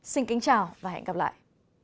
xin kính chào và hẹn gặp lại